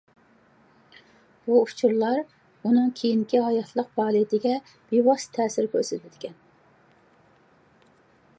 بۇ ئۇچۇرلار ئۇنىڭ كېيىنكى ھاياتلىق پائالىيىتىگە بىۋاسىتە تەسىر كۆرسىتىدىكەن.